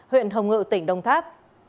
huyện hồng ngự tỉnh đồng tháp